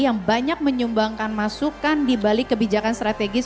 yang banyak menyumbangkan masukan dibalik kebijakan strategis